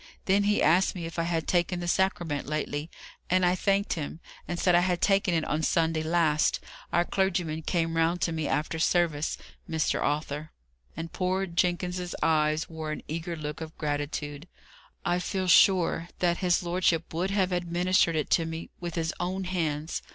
Then he asked me if I had taken the Sacrament lately; and I thanked him, and said I had taken it on Sunday last; our clergyman came round to me after service. Mr. Arthur" and poor Jenkins's eyes wore an eager look of gratitude "I feel sure that his lordship would have administered it to me with his own hands.